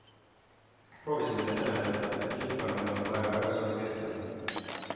Proovisin neile seletada, et kilpkonnadel on vaja väga sooja keskkonda.